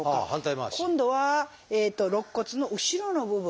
今度は肋骨の後ろの部分。